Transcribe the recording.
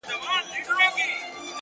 خپل ژوند د ارزښتمن هدف لپاره وکاروئ؛